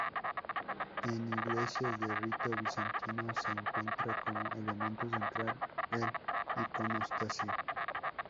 En iglesias de rito bizantino se encuentra como elemento central el iconostasio.